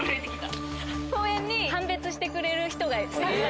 公園に判別してくれる人が。